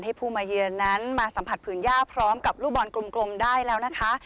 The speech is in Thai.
ผู้มาเยือนนั้นมาสัมผัสผืนย่าพร้อมกับลูกบอลกลมได้แล้วนะคะ